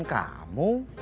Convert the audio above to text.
itu bukannya memang pekerjaan